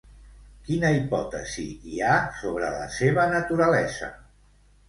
Quina hipòtesi hi ha sobre la seva naturalesa?